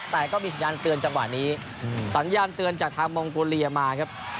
แต่ก็มีสัญญาณเตือนจังหวะนี้สัญญาณเตือนจากทางมองโกเลียมาครับ